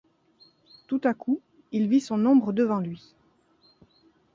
Tout à coup il vit son ombre devant lui.